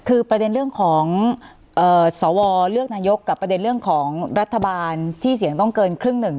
คือประเด็นเรื่องของสวเลือกนายกกับประเด็นเรื่องของรัฐบาลที่เสียงต้องเกินครึ่งหนึ่ง